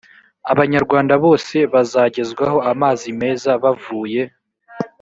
abanyarwanda bose bazagezwaho amazi meza bavuye.